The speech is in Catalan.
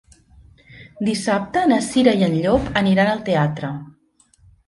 Dissabte na Cira i en Llop aniran al teatre.